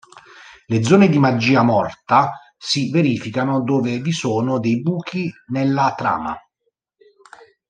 Le zone di magia morta si verificano dove vi sono dei buchi nella trama.